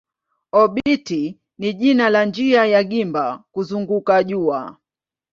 Obiti ni jina la njia ya gimba kuzunguka jua.